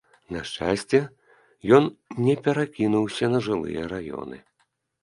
На шчасце, ён не перакінуўся на жылыя раёны.